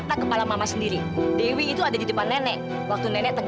sampai jumpa di video selanjutnya